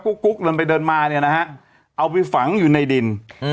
กุ๊กกุ๊กลนไปเดินมาหาไปฝังอยู่ในดิน